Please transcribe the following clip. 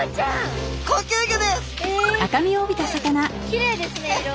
きれいですね色。